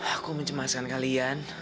aku mencemaskan kalian